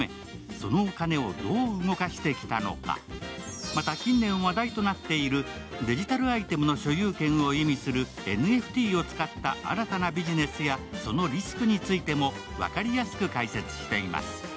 そのお金をどう動かしてきたのか、また近年話題となっているデジタルアイテムの所有権を意味するＮＦＴを使った新たなビジネスやそのリスクについても分かりやすく解説しています。